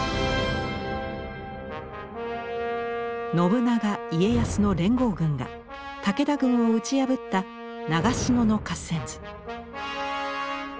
信長家康の連合軍が武田軍を打ち破った長篠の合戦図。